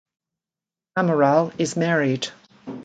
Amaral is married.